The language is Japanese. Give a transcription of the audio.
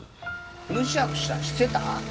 むしゃくしゃしてた？